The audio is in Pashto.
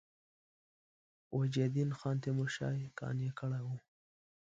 وجیه الدین خان تیمورشاه یې قانع کړی وو.